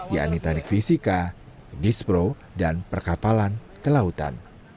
yaitu teknik fisika dispro dan perkapalan ke lautan